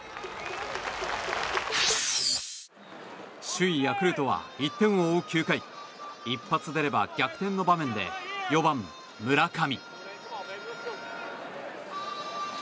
首位ヤクルトは１点を追う９回一発出れば逆転の場面で４番、村上。